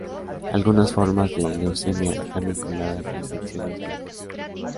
Algunas formas de leucemia están vinculadas a infecciones víricas.